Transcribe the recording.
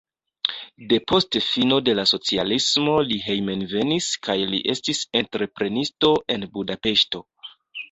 Depost fino de la socialismo li hejmenvenis kaj li estis entreprenisto en Budapeŝto.